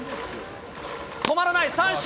止まらない、三振。